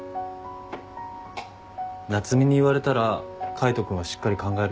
夏海に言われたら海斗君はしっかり考えると思うよ。